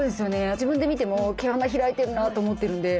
自分で見ても毛穴が開いてるなと思ってるんで。